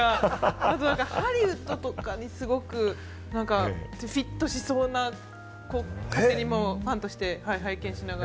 あとハリウッドとかに、すごくフィットしそうな、勝手にファンとして拝見しながら。